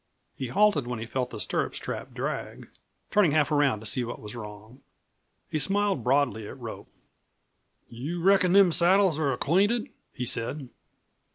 He halted when he felt the stirrup strap drag, turning half around to see what was wrong. He smiled broadly at Rope. "You reckon them saddles are acquainted?" he said.